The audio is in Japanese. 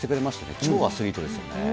超アスリートですよね。